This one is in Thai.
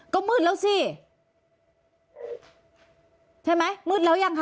ก็มืดแล้วสิใช่ไหมมืดแล้วยังคะ